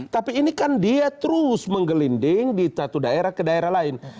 tapi ini kan dia terus menggelinding di satu daerah ke daerah lain